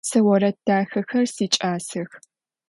Сэ орэд дахэхэр сикӏасэх.